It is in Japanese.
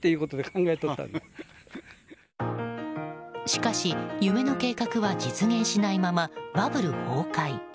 しかし、夢の計画は実現しないままバブル崩壊。